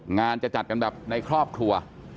งานจะจัดกันแบบในครอบครัว